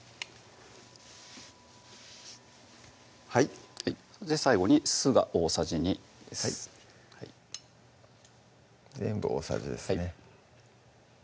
はいはい最後に酢が大さじ２です全部大さじですね